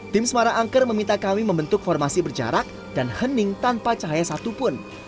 tim semarang angker meminta kami membentuk formasi berjarak dan hening tanpa cahaya satupun